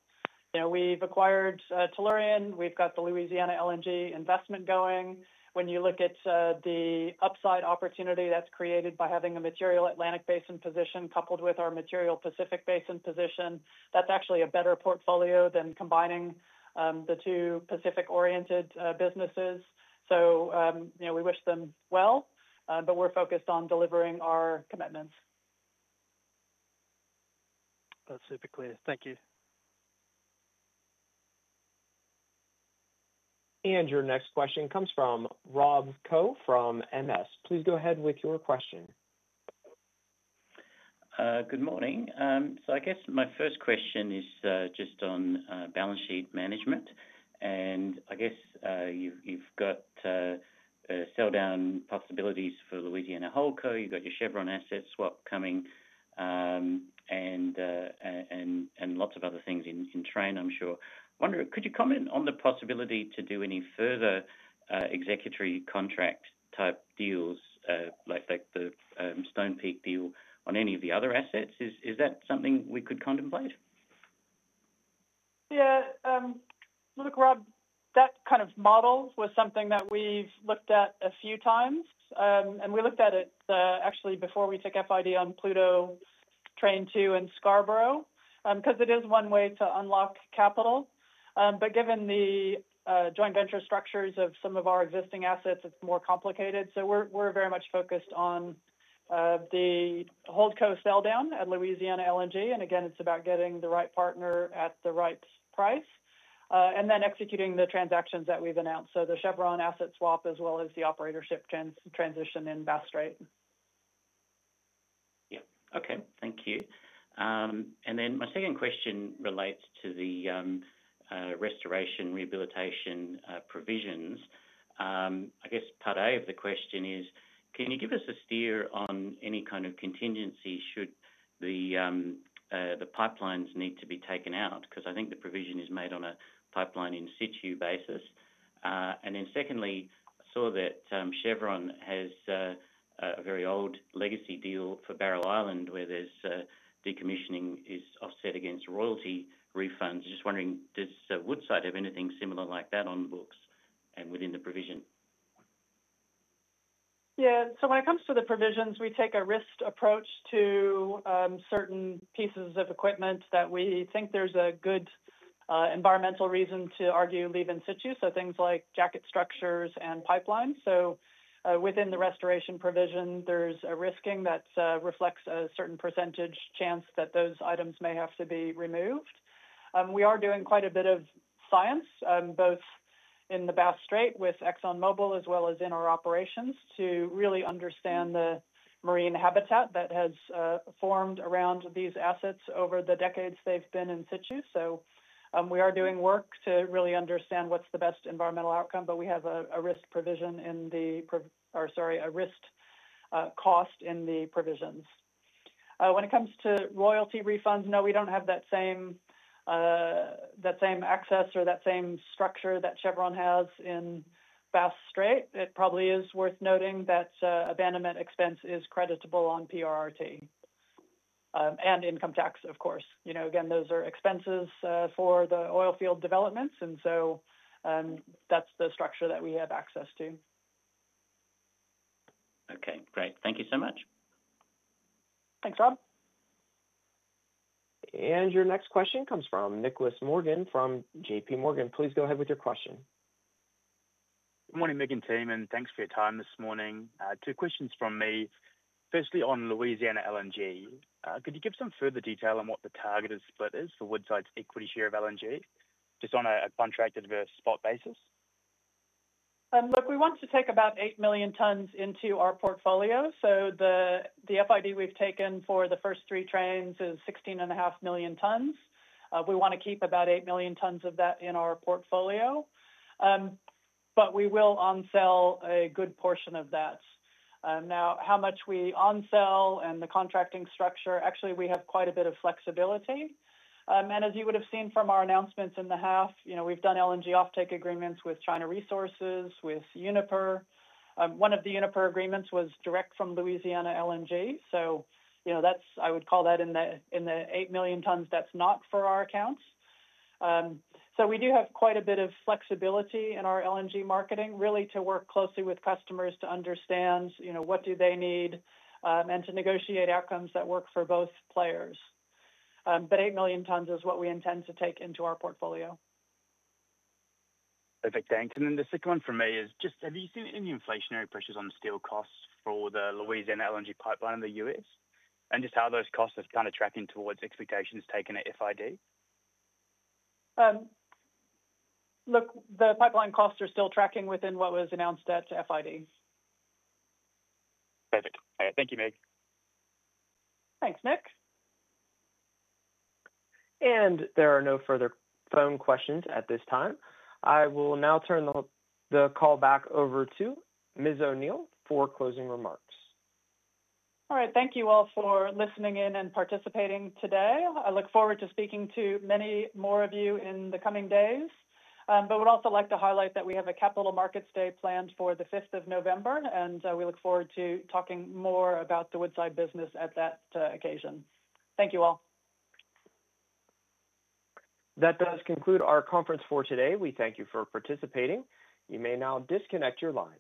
We've acquired Tellurian. We've got the Louisiana LNG investment going. When you look at the upside opportunity that's created by having a material Atlantic Basin position coupled with our material Pacific Basin position, that's actually a better portfolio than combining the two Pacific-oriented businesses. We wish them well, but we're focused on delivering our commitments. That's super clear. Thank you. Your next question comes from Rob Coe from Morgan Stanley. Please go ahead with your question. Good morning. My first question is just on balance sheet management. I guess you've got sell-down possibilities for Louisiana LNG. You've got your Chevron asset swap coming and lots of other things in train, I'm sure. I wonder, could you comment on the possibility to do any further executory contract type deals, like the Stonepeak deal on any of the other assets? Is that something we could contemplate? Yeah, look, Rob, that kind of model was something that we've looked at a few times. We looked at it actually before we took FID on Pluto train two and Scarborough, because it is one way to unlock capital. Given the joint venture structures of some of our existing assets, it's more complicated. We're very much focused on the Whole Co. sell down at Louisiana LNG. It's about getting the right partner at the right price and then executing the transactions that we've announced, the Chevron asset swap, as well as the operatorship transition in Bass Strait. Okay, thank you. My second question relates to the restoration rehabilitation provisions. Part A of the question is, can you give us a steer on any kind of contingency should the pipelines need to be taken out? I think the provision is made on a pipeline in situ basis. Second, recently, I saw that Chevron has a very old legacy deal for Barrow Island, where their decommissioning is offset against royalty refunds. I'm just wondering, does Woodside have anything similar like that on the books and within the provision? Yeah, so when it comes to the provisions, we take a risk approach to certain pieces of equipment that we think there's a good environmental reason to argue leave in situ, so things like jacket structures and pipelines. Within the restoration provision, there's a risking that reflects a certain percentage chance that those items may have to be removed. We are doing quite a bit of science, both in the Bass Strait with ExxonMobil as well as in our operations, to really understand the marine habitat that has formed around these assets over the decades they've been in situ. We are doing work to really understand what's the best environmental outcome, but we have a risk cost in the provisions. When it comes to royalty refunds, no, we don't have that same access or that same structure that Chevron has in Bass Strait. It probably is worth noting that abandonment expense is creditable on PRRT and income tax, of course. Those are expenses for the oilfield developments, and that's the structure that we have access to. Okay, great. Thank you so much. Thanks, Rob. Your next question comes from Nicholas Morgan from JP Morgan. Please go ahead with your question. Good morning, Meg and team, and thanks for your time this morning. Two questions from me. Firstly, on Louisiana LNG, could you give some further detail on what the targeted split is for Woodside's equity share of LNG, just on a contracted versus spot basis? Look, we want to take about eight million tons into our portfolio. The FID we've taken for the first three trains is 16.5 million tons. We want to keep about eight million tons of that in our portfolio, but we will on-sell a good portion of that. Now, how much we on-sell and the contracting structure, actually, we have quite a bit of flexibility. As you would have seen from our announcements in the half, we've done LNG offtake agreements with China Resources, with Uniper. One of the Uniper agreements was direct from Louisiana LNG, so that's, I would call that in the 8 million tons, that's not for our accounts. We do have quite a bit of flexibility in our LNG marketing, really to work closely with customers to understand what do they need and to negotiate outcomes that work for both players. Eight million tons is what we intend to take into our portfolio. Perfect, thanks. The second one for me is just, have you seen any inflationary pressures on steel costs for the Louisiana LNG pipeline in the U.S.? Just how those costs are kind of tracking towards expectations taken at FID? Look, the pipeline costs are still tracking within what was announced at FID. Perfect. All right, thank you, Meg. Thanks, Nick. There are no further phone questions at this time. I will now turn the call back over to Ms. O’Neill for closing remarks. All right, thank you all for listening in and participating today. I look forward to speaking to many more of you in the coming days. I would also like to highlight that we have a Capital Markets Day planned for the 5th of November, and we look forward to talking more the Woodside business at that occasion. Thank you all. That does conclude our conference for today. We thank you for participating. You may now disconnect your line.